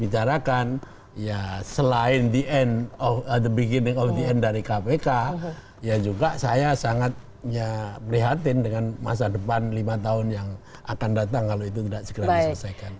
bicarakan ya selain the end of the beginning all the end dari kpk ya juga saya sangat ya prihatin dengan masa depan lima tahun yang akan datang kalau itu tidak segera diselesaikan